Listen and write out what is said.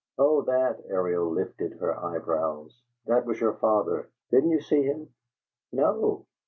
"Oh, that," Ariel lifted her eyebrows, "that was your father. Didn't you see him?" "No."